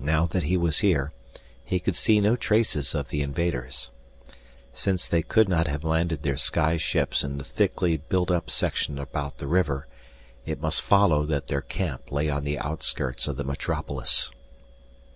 Now that he was here, he could see no traces of the invaders. Since they could not have landed their sky ships in the thickly built up section about the river, it must follow that their camp lay on the outskirts of the metropolis.